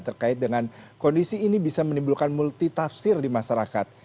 terkait dengan kondisi ini bisa menimbulkan multitafsir di masyarakat